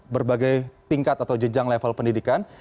berbagai tingkat atau jenjang level pendidikan